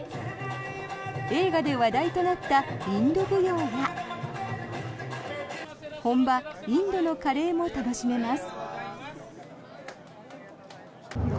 映画で話題となったインド舞踊や本場インドのカレーも楽しめます。